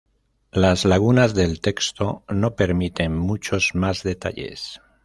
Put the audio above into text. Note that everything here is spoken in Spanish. Las lagunas del texto no permiten muchos más detalles.